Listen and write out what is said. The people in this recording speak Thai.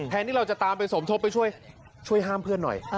ที่เราจะตามไปสมทบไปช่วยช่วยห้ามเพื่อนหน่อย